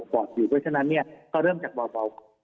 เพราะฉะนั้นเริ่มจากว่าเบา